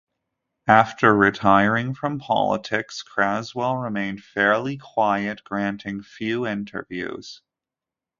After retiring from politics, Craswell remained fairly quiet, granting few interviews.